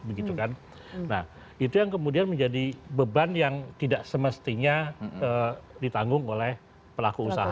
nah itu yang kemudian menjadi beban yang tidak semestinya ditanggung oleh pelaku usaha